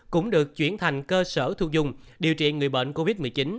cũng được chuyển thành cơ sở thu dung điều trị người bệnh covid một mươi chín